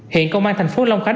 hiện công an thành phố long khánh